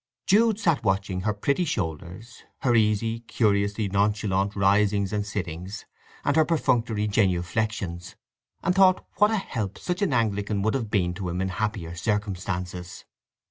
Jude sat watching her pretty shoulders, her easy, curiously nonchalant risings and sittings, and her perfunctory genuflexions, and thought what a help such an Anglican would have been to him in happier circumstances.